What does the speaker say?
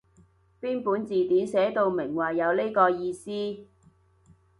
邊本字典寫到明話有呢個意思？